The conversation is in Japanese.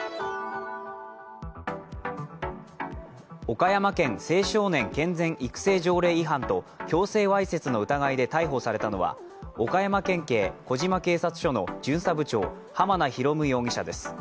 岡山県青少年健全育成条例違反と強制わいせつの疑いで逮捕されたのは岡山県警児島警察署の巡査部長濱名啓容疑者です。